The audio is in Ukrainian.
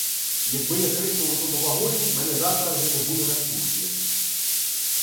Якби я крикнув у тому вагоні, мене завтра вже не буде на службі.